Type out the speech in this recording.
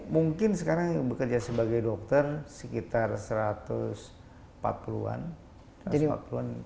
mungkin sekarang yang bekerja sebagai dokter sekitar satu ratus empat puluh an